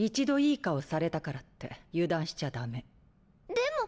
でも。